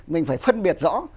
mình phải phân biệt rõ